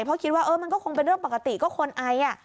เพราะคิดว่าเออมันก็คงเป็นเรื่องปกติก็คนไออ่ะ